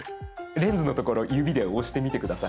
レンズのところ指で押してみて下さい。